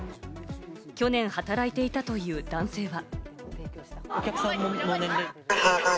去年、働いていたという男性は。